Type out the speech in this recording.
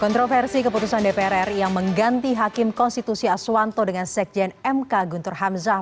kontroversi keputusan dpr ri yang mengganti hakim konstitusi aswanto dengan sekjen mk guntur hamzah